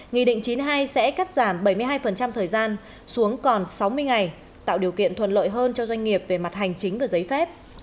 nghị định chín mươi hai sẽ cắt giảm bảy mươi hai thời gian xuống còn sáu mươi ngày tạo điều kiện thuận lợi hơn cho doanh nghiệp về mặt hành chính và giấy phép